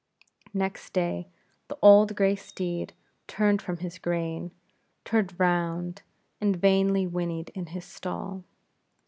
Next day the old gray steed turned from his grain; turned round, and vainly whinnied in his stall.